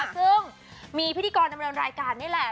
ซึ่งมีพิธีกรดำเนินรายการนี่แหละ